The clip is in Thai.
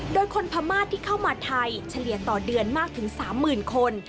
โดยคนพม่าที่เข้ามาไทยเฉลี่ยต่อเดือนมากถึง๓๐๐๐คน